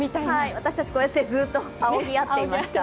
私たち、こうやってずっとあおぎ合っていました。